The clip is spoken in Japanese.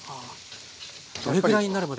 どれぐらいになるまで。